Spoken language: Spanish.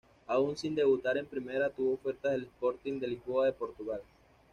Aún sin debutar en primera tuvo ofertas del Sporting de Lisboa de Portugal.